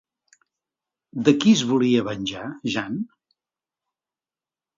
De qui es volia venjar Jan?